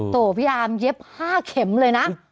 พี่อาร์มเย็บ๕เข็มเลยนะ